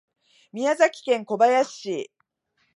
宮崎県小林市